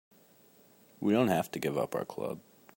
We don't have to give up our club.